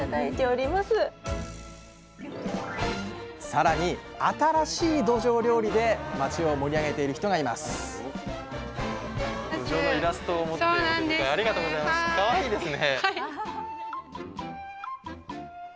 さらに新しいどじょう料理で町を盛り上げている人がいますありがとうございます。